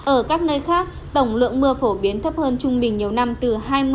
ở các nơi khác tổng lượng mưa phổ biến thấp hơn trung bình nhiều năm từ hai mươi